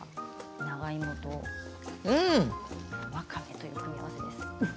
長芋とわかめという組み合わせです。